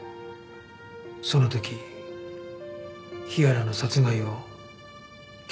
その時日原の殺害を決意したんですか？